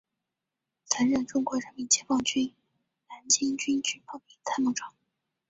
曾任中国人民解放军南京军区炮兵参谋长。